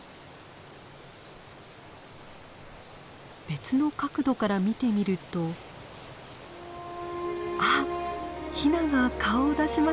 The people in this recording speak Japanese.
別の角度から見てみるとあっヒナが顔を出しました。